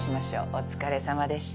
お疲れさまでした。